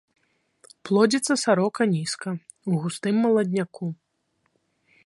Плодзіцца сарока нізка ў густым маладняку.